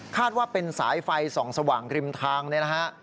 ว่าเป็นสายไฟส่องสว่างริมทางเนี่ยนะฮะ